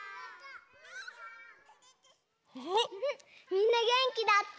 みんなげんきだって！